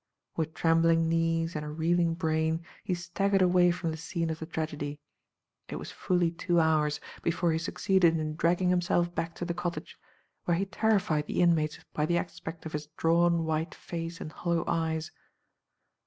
With trembling knees and a reeling brain he staggered away from the scene of the tragedy. It was fully two hours before he suc ceeded in dragging himself back to the cottage, where he terrified the inmates by the aspect of Digitized by Google 304 THE FA TE OF FENELLA, his drawn white face and hollow eyes.